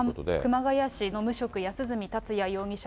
熊谷市の無職、安栖達也容疑者